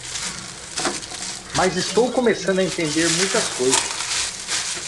Mas estou começando a entender muitas coisas.